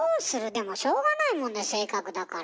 でもしょうがないもんね性格だから。